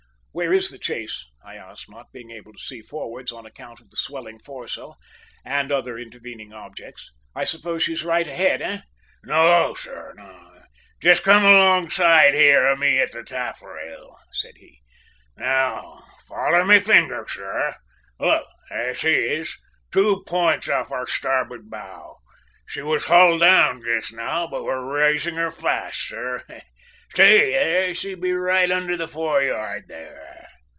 "Where is the chase?" I asked, not being able to see forwards on account of the swelling foresail and other intervening objects. "I suppose she's right ahead, eh?" "No, sir. Jist come here alongside o' me at the taffrail," said he. "Now foller my finger, sir. Look, there she is, two points off our starboard bow. She was hull down jist now, but we're rising her fast, sir. See, there she be right under the foreyard there!"